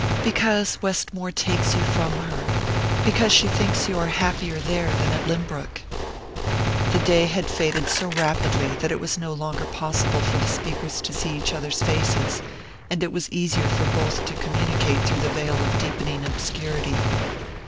"Because Westmore takes you from her; because she thinks you are happier there than at Lynbrook." The day had faded so rapidly that it was no longer possible for the speakers to see each other's faces, and it was easier for both to communicate through the veil of deepening obscurity.